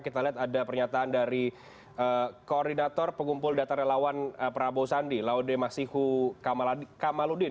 kita lihat ada pernyataan dari koordinator pengumpul data relawan prabowo sandy laodemah sihul kamaludin